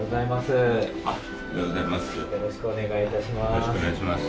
よろしくお願いします。